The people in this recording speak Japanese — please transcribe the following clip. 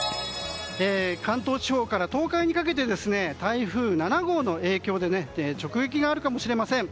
関東地方から東海にかけて台風７号の影響で直撃があるかもしれません。